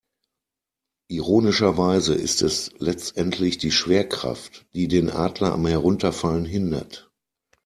Ironischerweise ist es letztendlich die Schwerkraft, die den Adler am Herunterfallen hindert.